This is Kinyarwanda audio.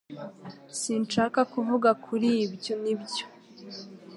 Sinshaka kuvuga kuri ibyo Nibyo